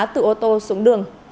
từ ô tô xuống đường